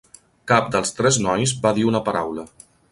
Cap dels tres nois va dir una paraula.